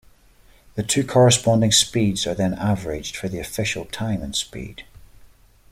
The two corresponding speeds are then averaged for the official time and speed.